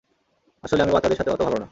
আসলে, আমি বাচ্চাদের সাথে ওতো ভালো না।